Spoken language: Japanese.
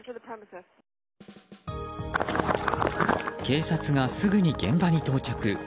警察がすぐに現場に到着。